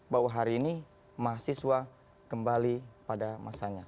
bahwa hari ini mahasiswa kembali pada masanya